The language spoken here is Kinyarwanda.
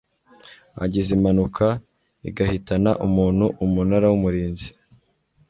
agize impanuka igahitana umuntu Umunara w Umurinzi